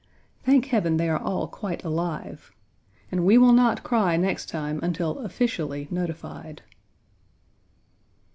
Thank Heaven they are all quite alive. And we will not cry next time until officially notified.